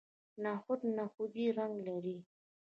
نخود نخودي رنګ لري.